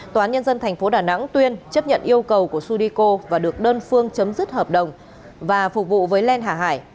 tòa án nhân dân tp đà nẵng tuyên chấp nhận yêu cầu của sudeko và được đơn phương chấm dứt hợp đồng và phục vụ với len hải hà